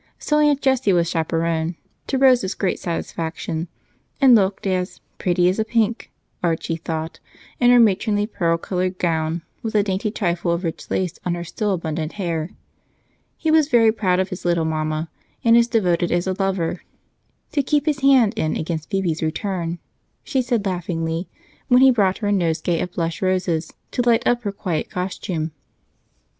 So Aunt Jessie was chaperon, to Rose's great satisfaction, and looked as "pretty as a pink," Archie thought, in her matronly pearl colored gown with a dainty trifle of rich lace on her still abundant hair. He was very proud of his little mama, and as devoted as a lover, "to keep his hand in against Phebe's return," she said laughingly when he brought her a nosegay of blush roses to light up her quiet costume.